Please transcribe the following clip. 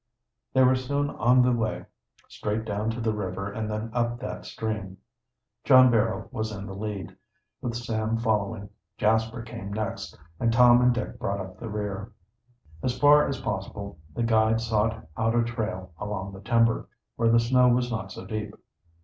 They were soon on the way, straight down to the river and then up that stream. John Barrow was in the lead, with Sam following. Jasper came next, and Tom and Dick brought up the rear. As far as possible the guide sought out a trail along the timber, where the snow was not so deep.